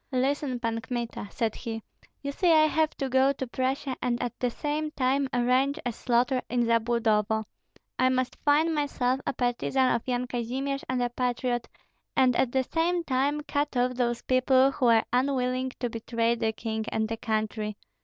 "Listen, Pan Kmita," said he, "you see I have to go to Prussia and at the same time arrange a slaughter in Zabludovo. I must feign myself a partisan of Yan Kazimir and a patriot, and at the same time cut off those people who are unwilling to betray the king and the country.